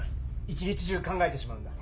一日中考えてしまうんだ。